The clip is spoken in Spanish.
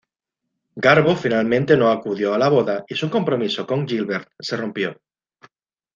Garbo finalmente no acudió a la boda y su compromiso con Gilbert se rompió.